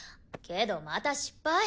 けどまた失敗。